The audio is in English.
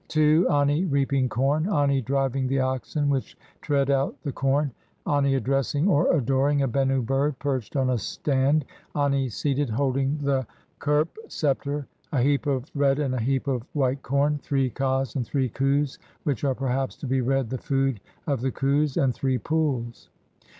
(2) Ani reaping corn, Ani driving the oxen which tread out the corn ; Ani addressing (or adoring) a Bennu bird perched on a stand ; Ani seated holding the kherp sceptre ; a heap of red and a heap of white corn ; three kas and three khus, which are perhaps to be read, "the food of the khus" ; and three Pools.